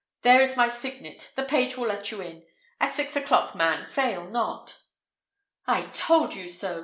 There is my signet: the page will let you in. At six o'clock, man, fail not!" "I told you so!"